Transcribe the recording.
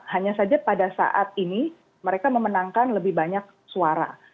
hanya saja pada saat ini mereka memenangkan lebih banyak suara